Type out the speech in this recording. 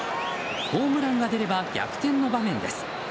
ホームランが出れば逆転の場面です。